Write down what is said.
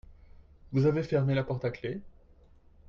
Vous avez fermé la porte à clef ?